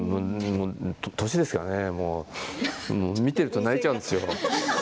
年ですかね、見ていると泣いちゃうんですよ。